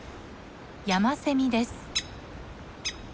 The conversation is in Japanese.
ヤマセミです。